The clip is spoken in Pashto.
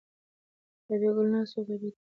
رابعه ګل ناسته وه او غیبت یې کاوه.